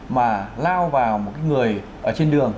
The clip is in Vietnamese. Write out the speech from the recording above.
mà lao vào một người trên đường